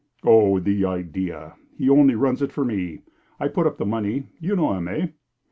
"Oh, the idea! He only runs it for me. I put up the money. You know him, eh?"